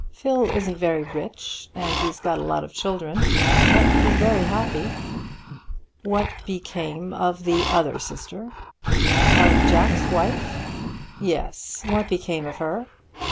Phil isn't very rich, and he's got a lot of children, but he's very happy." "What became of the other sister?" "Of Jack's wife?" "Yes. What became of her?"